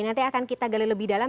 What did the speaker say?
nanti akan kita gali lebih dalam